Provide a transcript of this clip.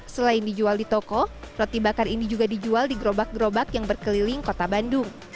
selain dijual di toko roti bakar ini juga dijual di gerobak gerobak yang berkeliling kota bandung